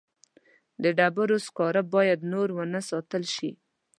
د ډبرو سکاره باید نور ونه ساتل شي.